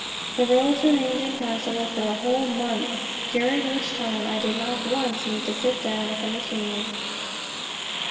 The roads remained impassable for a whole month, during which time I did not once need to sit down at the machine.